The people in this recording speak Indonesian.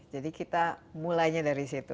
jadi kita mulainya dari situ